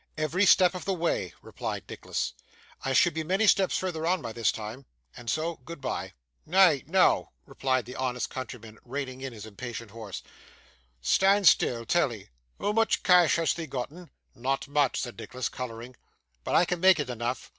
'Every step of the way,' replied Nicholas. 'I should be many steps further on by this time, and so goodbye!' 'Nay noo,' replied the honest countryman, reining in his impatient horse, 'stan' still, tellee. Hoo much cash hast thee gotten?' 'Not much,' said Nicholas, colouring, 'but I can make it enough.